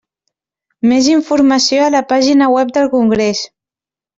Més informació a la pàgina web del congrés.